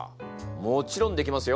もちろんできますよ。